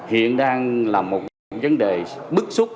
hiện đang là một vấn đề bức xúc